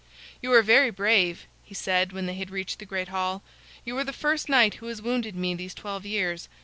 "You are very brave," he said, when they had reached the great hall. "You are the first knight who has wounded me these twelve years.